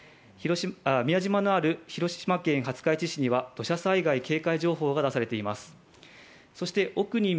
宮島のある広島県廿日市市には土砂災害警戒情報が出されています。